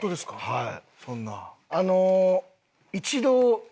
はい。